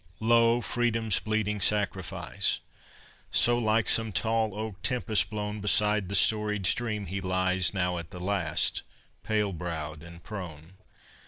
II Lo! Freedom's bleeding sacrifice! So, like some tall oak tempest blown, Beside the storied stream he lies Now at the last, pale browed and prone.